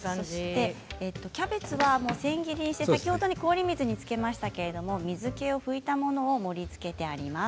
キャベツは千切りにして先ほど、氷水につけましたが水けを拭いたものを盛りつけてあります。